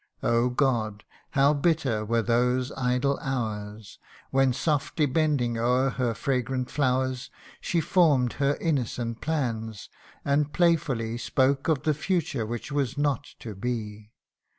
Oh, God ! how bitter were those idle hours, When softly bending o'er her fragrant flowers, She form'd her innocent plans, and playfully Spoke of that future which was not to be